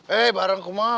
eh bareng kumail